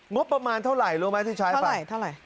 งบประมาณเท่าไหร่รู้ไหมที่ใช้